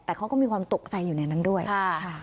แต่เขาก็มีความตกใจอยู่ในนั้นด้วยค่ะ